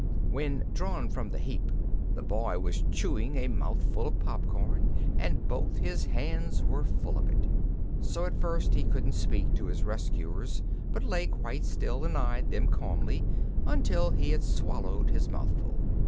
When drawn from the heap the boy was chewing a mouthful of popcorn and both his hands were full of it. So at first he couldn't speak to his rescuers but lay quite still and eyed them calmly until he had swallowed his mouthful.